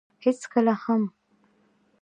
هېڅکله هم.